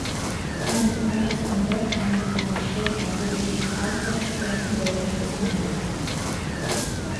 Ein geplantes Comeback einige Jahre später wurde durch den Ausbruch des Ersten Weltkriegs verhindert.